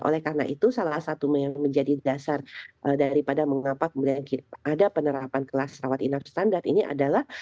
oleh karena itu salah satu yang menjadi dasar daripada mengapa kemudian ada penerapan kelas rawat inap standar ini adalah